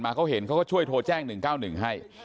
เขาเห็นเขาก็ช่วยโทรแจ้ง๑๙๑ให้